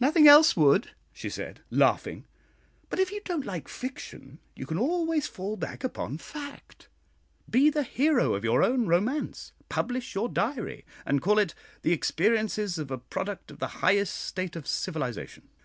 "Nothing else would," she said, laughing; "but if you don't like fiction, you can always fall back upon fact; be the hero of your own romance, publish your diary, and call it 'The Experiences of a Product of the Highest State of Civilisation.'